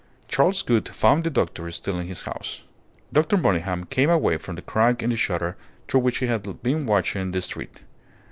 Charles Gould found the doctor still in his house. Dr. Monygham came away from the crack in the shutter through which he had been watching the street.